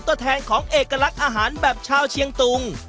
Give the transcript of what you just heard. ตัวแทนของเอกลักษณ์อาหารแบบชาวเชียงตุง